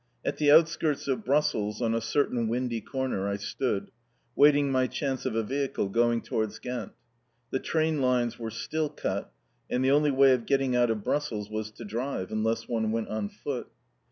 At the outskirts of Brussels, on a certain windy corner, I stood, waiting my chance of a vehicle going towards Ghent. The train lines were still cut, and the only way of getting out of Brussels was to drive, unless one went on foot.